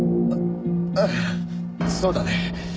ああそうだね。